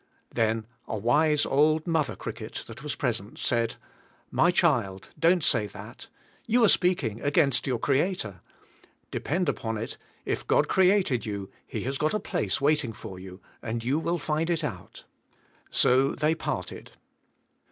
Then a wise old mother cricket, that was present, said, ''My child, don't say that. You are speaking* ag'ainst your Creator. Depend upon it, if God created you. He has g^ot a place waiting for you, and you will find it out. " So they parted.